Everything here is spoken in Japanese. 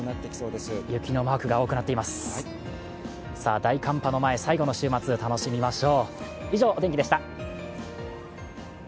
大寒波の前、最後の週末楽しみましょう。